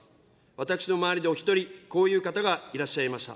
私の周りでお一人、こういう方がいらっしゃいました。